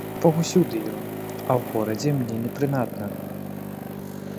Бог усюды ё, а ў горадзе мне не прынадна.